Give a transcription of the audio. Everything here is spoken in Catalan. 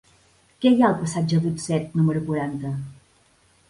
Què hi ha al passatge d'Utset número quaranta?